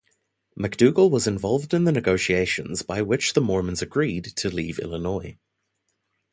McDougall was involved in the negotiations by which the Mormons agreed to leave Illinois.